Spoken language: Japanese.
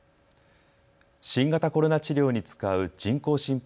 新型コロナ治療に使う人工心肺